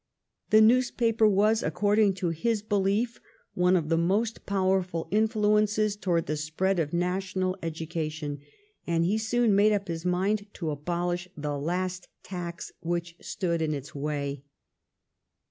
The newspaper was, according to his belief, one of the most powerful influences towards the spread of national education, and he soon made up his mind to abolish the last tax which stood in its way.